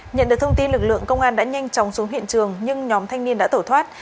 nhận được thông tin lực lượng công an đã nhanh chóng xuống hiện trường nhưng nhóm thanh niên đã tổ thoát